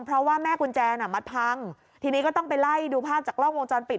เพราะว่าแม่กุญแจน่ะมัดพังทีนี้ก็ต้องไปไล่ดูภาพจากกล้องวงจรปิด